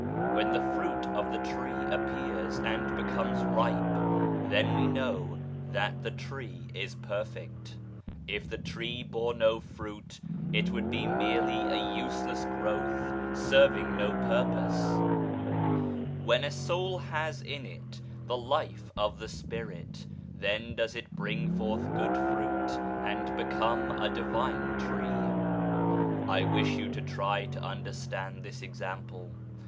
When the fruit of the tree appears and becomes ripe, then we know that the tree is perfect ; if the tree bore no fruit it would be merely a useless growth, serving no purpose 1 When a soul has in it the Life of the Spirit, then does it bring forth good fruit and become a Divine tree. I wish you to try to understand this example.